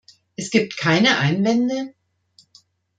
Es gibt keine Einwände?